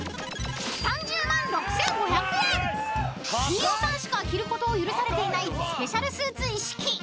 ［飯尾さんしか着ることを許されていないスペシャルスーツ一式］